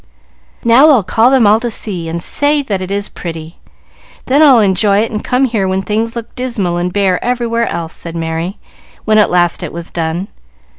"Now I'll call them all to see, and say that it is pretty. Then I'll enjoy it, and come here when things look dismal and bare everywhere else," said Merry, when at last it was done.